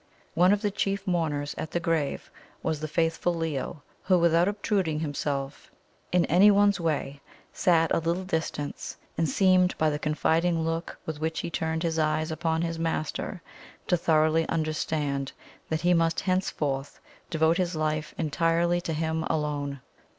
One of the chief mourners at the grave was the faithful Leo; who, without obtruding himself in anyone's way, sat at a little distance, and seemed, by the confiding look with which he turned his eyes upon his master, to thoroughly understand that he must henceforth devote his life entirely to him alone.